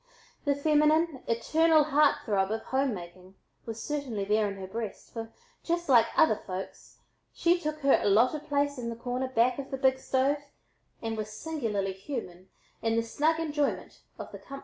The feminine eternal heart throb of home making was certainly there in her breast, for just like "other folks" she took her allotted place in the corner back of the big stove and was singularly human in the snug enjoyment of the comfort of it.